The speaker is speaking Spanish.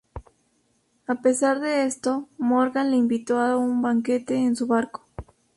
A pesar de esto, Morgan le invitó a un banquete en su barco.